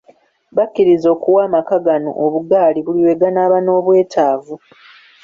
Bakkiriza okuwa amaka gano obugaali buli lwe ganaaba n'obwetaavu.